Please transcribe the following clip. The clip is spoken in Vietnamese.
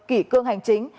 kỷ cương hành chính